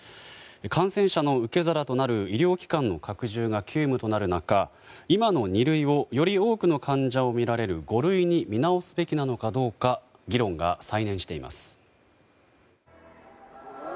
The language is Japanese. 感染者の受け皿となる医療機関の拡充が急務となる中今の二類をより多くの患者を診られる五類に見直すべきなのかどうか議論が再燃しています。